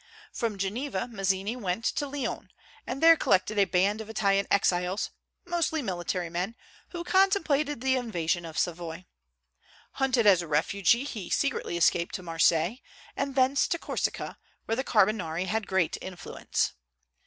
From Geneva Mazzini went to Lyons, and there collected a band of Italian exiles, mostly military men, who contemplated the invasion of Savoy. Hunted as a refugee, he secretly escaped to Marseilles, and thence to Corsica, where the Carbonari had great influence.